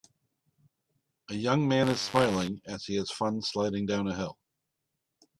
A young man is smiling as he has fun sliding down a hill